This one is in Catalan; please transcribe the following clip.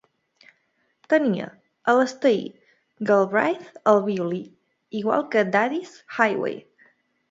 Tenia Alastair Galbraith al violí, igual que "Daddy's Highway".